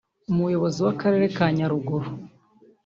Umuyobozi w’Akarere ka Nyaruguru